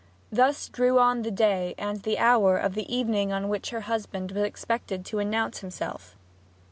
Thus drew on the day and the hour of the evening on which her husband was expected to announce himself.